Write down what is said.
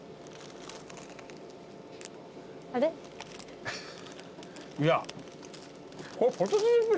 あれ？いや。